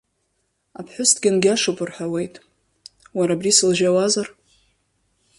Аԥҳәыс дгьангьашуп рҳәауеит, уара, абри сылжьауазар?